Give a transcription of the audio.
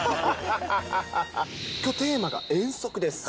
きょう、テーマが遠足です。